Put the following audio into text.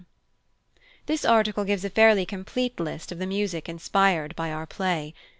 This article gives a fairly complete list of the music inspired by our play.